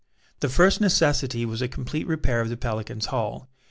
The first necessity was a complete repair of the Pelican's hull.